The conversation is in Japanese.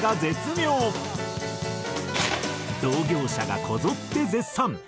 同業者がこぞって絶賛！